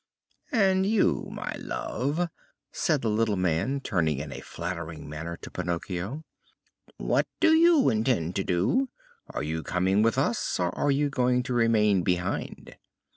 "And you, my love!" said the little man, turning in a flattering manner to Pinocchio, "what do you intend to do? Are you coming with us or are you going to remain behind?"